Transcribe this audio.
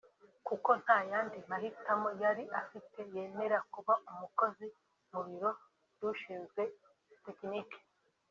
kuko ntayandi mahitamo yari afite yemera kuba umukozi mu biro by'ushinzwe tekinike